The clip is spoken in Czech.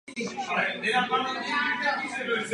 Působila v redakci španělského vysílání pro zahraničí.